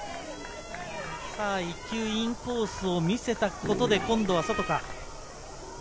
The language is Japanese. １球インコースを見せたことで、今度は外か？